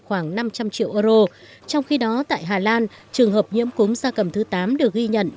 khoảng năm trăm linh triệu euro trong khi đó tại hà lan trường hợp nhiễm cúm da cầm thứ tám được ghi nhận